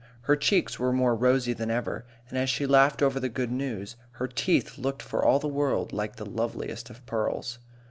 Her cheeks were more rosy than ever, and as she laughed over the good news, her teeth looked for all the world like the loveliest of pearls.